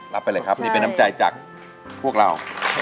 ไปเลยครับนี่เป็นน้ำใจจากพวกเรา